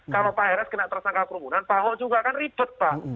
kalau pak rs kena tersangka kerumunan pak ahok juga kan ribet pak